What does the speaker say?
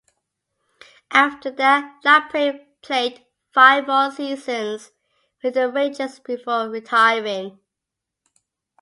After that, Laprade played five more seasons with the Rangers before retiring.